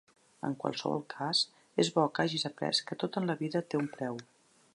En qualsevol cas, és bo que hagis après que tot en la vida té un preu.